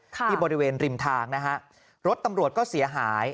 ที่บริเวณริมทางนะฮะรถตำรวจก็เสียหาย